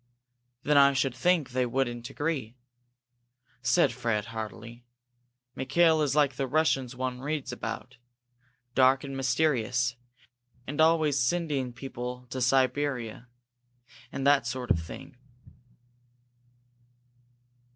"Then I should think they wouldn't agree," said Fred, heartily. "Mikail is like the Russians one reads about, dark and mysterious, and always sending people to Siberia and that sort of thing."